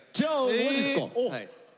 マジっすか！